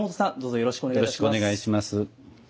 よろしくお願いします。